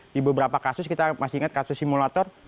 di beberapa kasus kita masih ingat kasus simulator